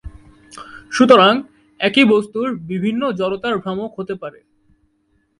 সুতরাং, একই বস্তুর বিভিন্ন জড়তার ভ্রামক হতে পারে।